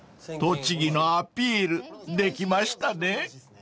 ［栃木のアピールできましたね］